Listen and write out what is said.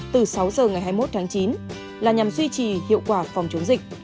từ sáu giờ ngày hai mươi một tháng chín là nhằm duy trì hiệu quả phòng chống dịch